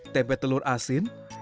tempe telur asin